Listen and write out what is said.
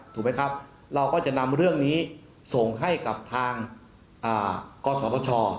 ถูกไหมครับเราก็จะนำเรื่องนี้ส่งให้กับทางกศปช